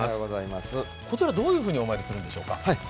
こちらどういうふうにお参りするんでしょうか。